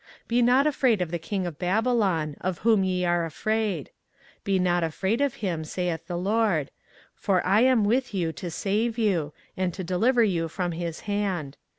24:042:011 Be not afraid of the king of Babylon, of whom ye are afraid; be not afraid of him, saith the LORD: for I am with you to save you, and to deliver you from his hand.